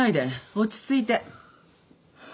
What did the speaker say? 落ち着いて。